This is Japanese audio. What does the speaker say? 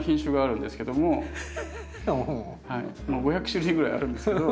５００種類ぐらいあるんですけど